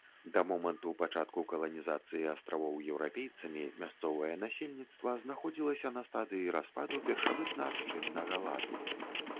Да моманту пачатку каланізацыі астравоў еўрапейцамі мясцовае насельніцтва знаходзілася на стадыі распаду першабытнаабшчыннага ладу.